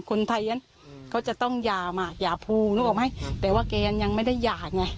คนไทยฉันก็จะต้องหย่ามาหย่าภูนึกออกไหมแต่ว่าแกยังไม่ได้หย่าไง